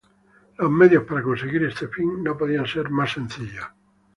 Los medios para conseguir este fin no podían ser más sencillos.